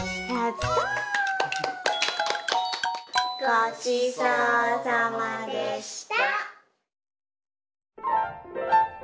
ごちそうさまでした！